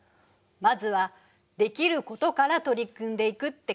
まずはできることから取り組んでいくって感じ？